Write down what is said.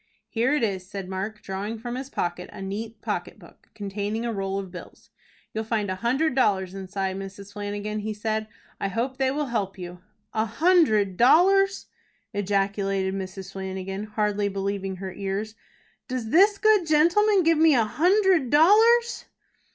"Here it is," said Mark, drawing from his pocket a neat pocket book, containing a roll of bills. "You'll find a hundred dollars inside, Mrs. Flanagan," he said. "I hope they will help you." "A hundred dollars!" ejaculated Mrs. Flanagan, hardly believing her ears. "Does this good gentleman give me a hundred dollars!"